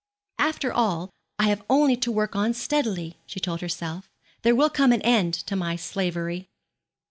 'After all I have only to work on steadily,' she told herself; 'there will come an end to my slavery.'